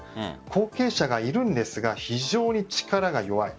後継者がいるんですが非常に力が弱い。